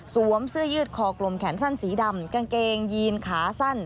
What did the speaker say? เสื้อยืดคอกลมแขนสั้นสีดำกางเกงยีนขาสั้น